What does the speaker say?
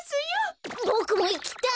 ボクもいきたい！